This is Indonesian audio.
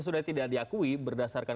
sudah tidak diakui berdasarkan